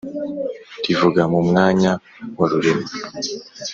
rivuga mu mwanya wa rurema